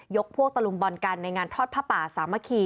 พวกตะลุมบอลกันในงานทอดผ้าป่าสามัคคี